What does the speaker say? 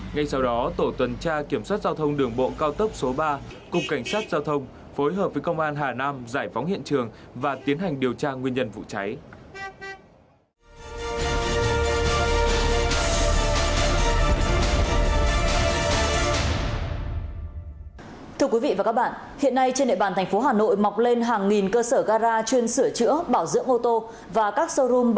ngay sau đó tổ tuần tra kiểm soát giao thông đường bộ cao tốc số ba